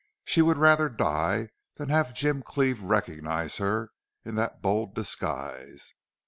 She would rather die than have Jim Cleve recognize her in that bold disguise.